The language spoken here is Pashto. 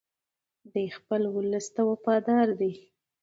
دی خپل ولس ته وفادار دی.